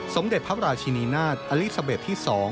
สมเด็จพระราชินีนาฏอลิซาเบสที่๒